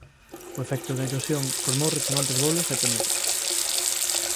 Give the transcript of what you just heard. O efecto da erosión formou rechamantes bolos e penedos.